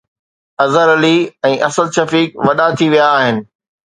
اظهر علي ۽ اسد شفيق وڏا ٿي ويا آهن.